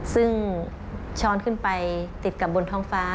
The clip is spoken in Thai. ซึ่งช้อนขึ้นไปติดกับบนท้องฟ้า